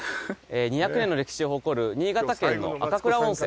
２００年の歴史を誇る新潟県の赤倉温泉